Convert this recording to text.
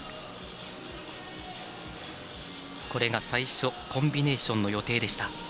最初、コンビネーションの予定でした。